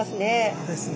そうですね。